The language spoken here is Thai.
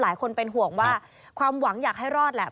หลายคนเป็นห่วงว่าความหวังอยากให้รอดแหละ